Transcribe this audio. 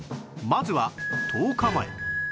まずは１０日前